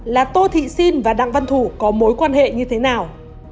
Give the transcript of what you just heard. là tô thị xin và đặng văn thủ có mối quan hệ như thế nào